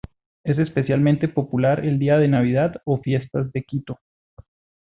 Es especialmente popular el día de Navidad o fiestas de Quito.